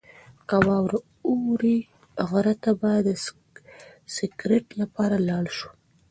که واوره ووري، غره ته به د سکرت لپاره لاړ شو.